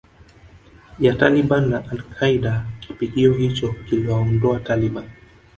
ya Taliban na Al Qaeda Kipigo hicho kiliwaondoa Taliban